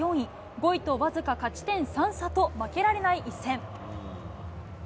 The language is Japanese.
５位と僅か勝ち点３差と、負けられない一戦。